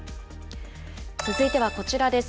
続いてはこちらです。